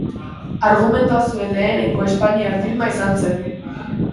Argumentua zuen lehenengo espainiar filma izan zen.